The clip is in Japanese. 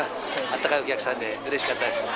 あったかいお客さんでうれしかったです。